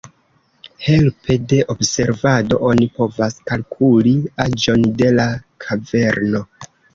Helpe de observado oni povas kalkuli aĝon de la kaverno.